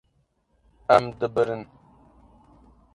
Em dibirin.